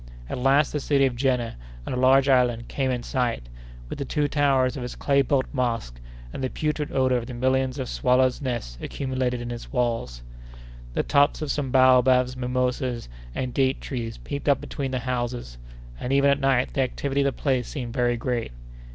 At last the city of Jenné, on a large island, came in sight, with the two towers of its clay built mosque, and the putrid odor of the millions of swallows' nests accumulated in its walls. The tops of some baobabs, mimosas, and date trees peeped up between the houses; and, even at night, the activity of the place seemed very great.